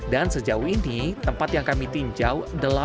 dan sejauh ini tempat yang kami tinjau